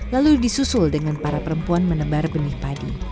lalu disusul dengan para perempuan menebar benih padi